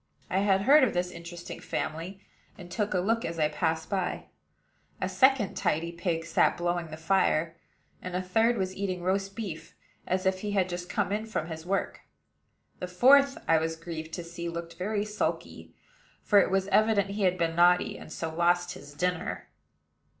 I had heard of this interesting family, and took a look as I passed by. A second tidy pig sat blowing the fire; and a third was eating roast beef, as if he had just come in from his work. The fourth, I was grieved to see, looked very sulky; for it was evident he had been naughty, and so lost his dinner.